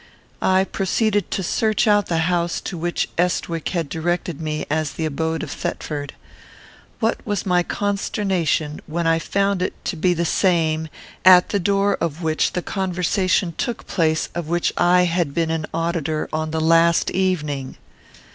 I proceeded to search out the house to which Estwick had directed me as the abode of Thetford. What was my consternation when I found it to be the same at the door of which the conversation took place of which I had been an auditor on the last evening!